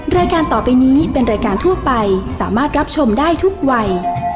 รายการต่อไปนี้เป็นรายการทั่วไปสามารถรับชมได้ทุกวัย